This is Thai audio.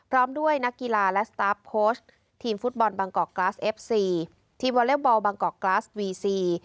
พร้อมด้วยนักกีฬาและสตาร์ฟโค้ชทีมฟุตบอลบางกอกกราสเอฟซีทีมวอเล็กบอลบางกอกกราสวีซี